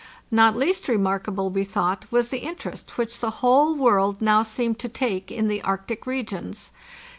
Not least remarkable, we thought, was the in terest which the whole world now seemed to take in the Arctic regions.